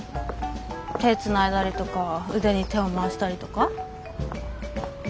手つないだりとか腕に手を回したりとか？